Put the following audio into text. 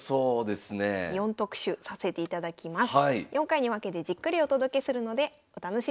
４回に分けてじっくりお届けするのでお楽しみに。